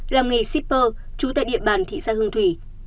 làm nghề shipper trú tại địa bàn thị xã hương thủy